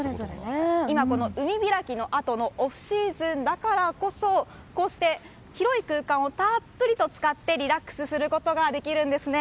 今、この海開きのあとのオフシーズンだからこそこうして広い空間をたっぷり使ってリラックスすることができるんです。